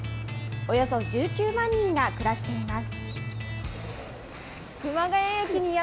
およそ１９万人が暮らしています。